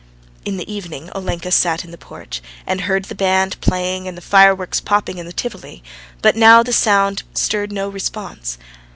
In the evening Olenka sat in the porch, and heard the band playing and the fireworks popping in the Tivoli, but now the sound stirred no response.